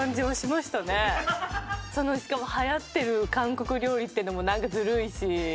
そのしかも流行ってる韓国料理ってのもなんかずるいし。